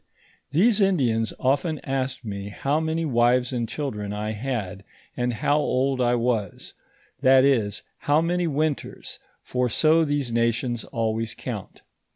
These Indians often asked me how many wives and chil dren I Imd, and how old I was, that is, how many winters, for so these nations alway count.